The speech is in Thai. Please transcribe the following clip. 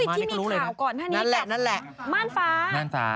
ที่มีข่าวก่อนนั้นนั้นแหละ